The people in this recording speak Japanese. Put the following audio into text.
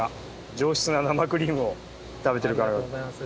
上質な生クリームを食べているかのよう。